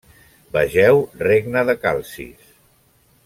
Vegeu Regne de Calcis.